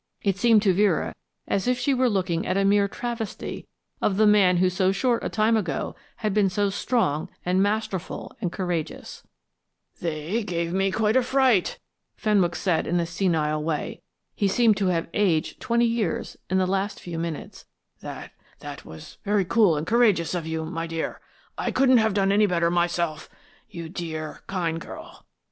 It seemed to Vera as if she were looking at a mere travesty of the man who so short a time ago had been so strong and masterful and courageous. "They gave me a rare fright," Fenwick said in a senile way. He seemed to have aged twenty years in the last few minutes. "That that was very cool and courageous of you, my dear. I couldn't have done any better myself. You dear, kind girl.